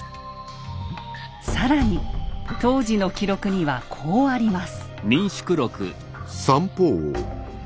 更に当時の記録にはこうあります。